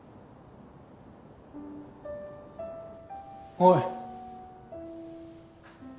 おい。